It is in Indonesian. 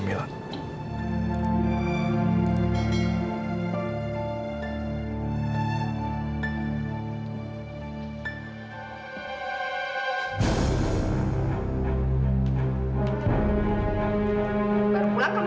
kamilah percaya seratus persen sama kak fadil